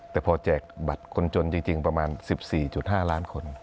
แต่พอแจกบัตรคนจนจริงประมาณ๑๔๕ล้านคน